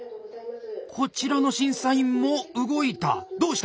こちらの審査員も動いた。